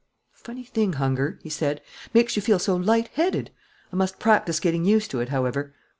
"Funny thing, hunger!" he said. "Makes you feel so light headed. I must practise getting used to it, however."